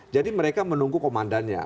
jadi mereka menunggu komandannya